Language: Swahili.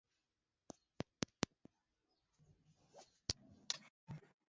umoja wa afrika imesimamisha uanachama wa Sudan